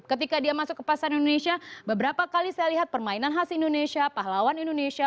ketika dia masuk ke pasar indonesia beberapa kali saya lihat permainan khas indonesia pahlawan indonesia